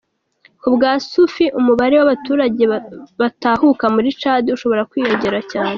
Ku bwa Sufi, umubare w’abaturage batahuka muri Tchad ushobora kwiyongera cyane.